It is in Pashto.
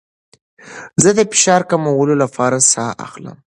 زه د فشار کمولو لپاره ساه اخلم.